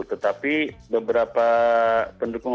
tetapi beberapa pendukung